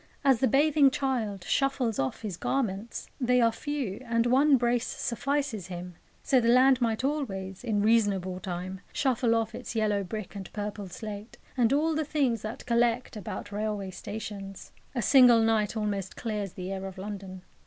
As the bathing child shuffles off his garments they are few, and one brace suffices him so the land might always, in reasonable time, shuffle off its yellow brick and purple slate, and all the things that collect about railway stations. A single night almost clears the air of London.